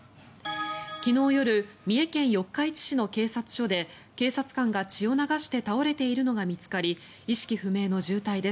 昨日夜三重県四日市市の警察署で警察官が血を流して倒れているのが見つかり意識不明の重体です。